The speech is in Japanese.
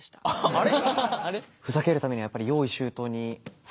あれ？